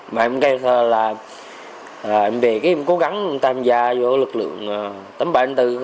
mà em gây ra là em về em cố gắng tham gia vô lực lượng tám nghìn ba trăm chín mươi bốn